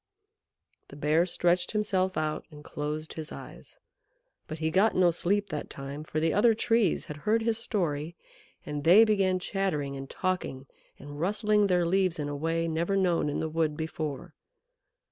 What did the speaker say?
The Bear stretched himself out and closed his eyes; but he got no sleep that time, for the other Trees had heard his story, and they began chattering and talking and rustling their leaves in a way never known in the wood before.